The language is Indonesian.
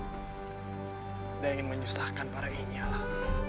saya tidak ingin menyusahkan para inya alam